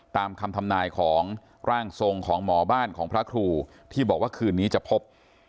ตามคำทำนายของร่างทรงของหมอบ้านของพระครูที่บอกว่าคืนนี้จะพบ